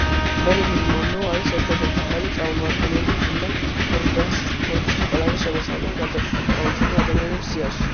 მერილინ მონრო არის ერთადერთი ქალი წარმომადგენელი ჟურნალ ფორბსის „ყველაზე შემოსავლიანი გარდაცვლილი გამოჩენილი ადამიანების“ სიაში.